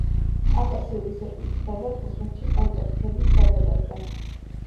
კავკასიური სოჭი გვხვდება თურქეთში, პონტოს ქედის ფერდობებზე.